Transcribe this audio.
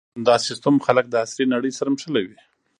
دا سیستم خلک د عصري نړۍ سره نښلوي.